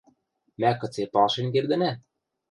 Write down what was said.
— Мӓ кыце палшен кердӹнӓ?